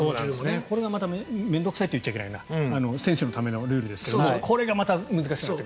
これがまた面倒臭いと言っちゃいけないな選手のためのルールですけどこれがまた難しくなってくる。